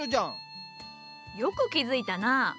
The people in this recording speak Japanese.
よく気付いたな。